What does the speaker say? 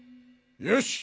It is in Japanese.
よし！